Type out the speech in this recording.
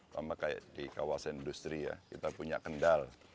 sama kayak di kawasan industri ya kita punya kendal